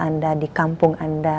anda di kampung anda